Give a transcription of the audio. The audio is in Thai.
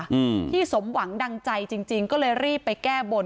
อืมที่สมหวังดังใจจริงจริงก็เลยรีบไปแก้บน